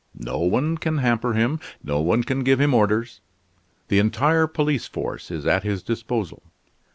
No one can hamper him, no one can give him orders. The entire police force is at his disposal.